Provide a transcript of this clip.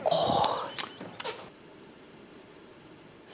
โอ้ย